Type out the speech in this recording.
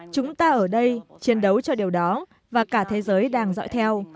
chúng ta ở đây chiến đấu cho điều đó và cả thế giới đang dõi theo